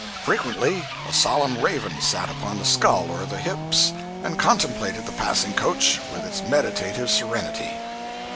Frequently a solemn raven sat upon the skull or the hips and contemplated the passing coach with meditative serenity.